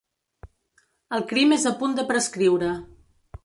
El crim és a punt de prescriure.